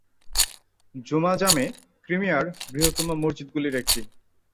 জুমা-জামে ক্রিমিয়ার বৃহত্তম মসজিদগুলির একটি।